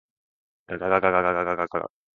がががががが